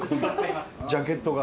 ジャケットが。